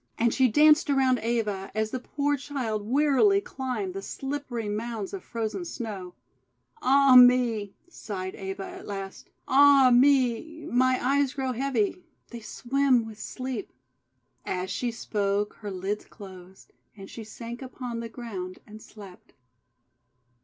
And she danced around Eva, as the poor child 310 THE WONDER GARDEN wearily climbed the slippery mounds of frozen Snow. "Ah me!>: sighed Eva at last, "Ah me! my eyes grow heavy. They swim with sleep." As she spoke, her lids closed, and she sank upon the ground and slept.